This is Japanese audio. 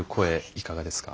いかがですか？